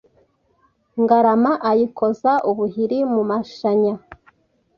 Ngarama ayikoza ubuhiri mu mashanya